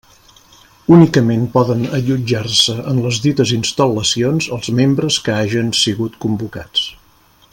Únicament poden allotjar-se en les dites instal·lacions els membres que hagen sigut convocats.